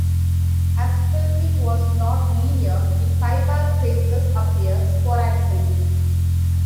As filming was not linear, the piebald faces appear sporadically.